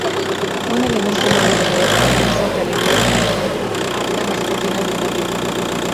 Un elemento nuevo de la decoración son galerías, que atan las cortinas desde arriba.